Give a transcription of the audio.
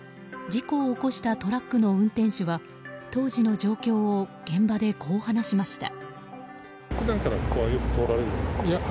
事故を起こしたトラックの運転手は当時の状況を現場でこう話しました。